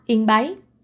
ba yên bái